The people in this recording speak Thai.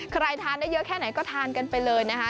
ทานได้เยอะแค่ไหนก็ทานกันไปเลยนะคะ